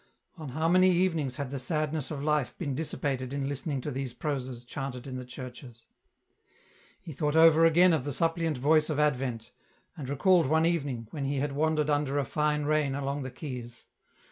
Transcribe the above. On how many evenings had the sadness of life been dissipated in listening to these proses chanted in the churches ! He thought over again of the suppliant voice of Advent, and recalled one evening, when he had wandered under a fine rain along the quays.